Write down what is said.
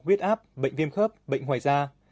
huyết áp bệnh viêm khớp bệnh ngoài da